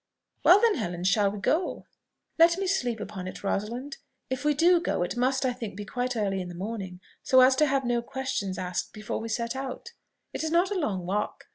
"Well, then, Helen, shall we go?" "Let me sleep upon it, Rosalind. If we do go, it must, I think, be quite early in the morning, so as to have no questions asked before we set out. It is not a long walk.